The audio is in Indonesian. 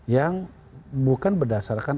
yang bukan berdasarkan